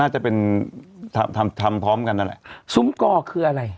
น่าจะเป็นทำพร้อมกันอะแหละซุ้มกอคืออะไร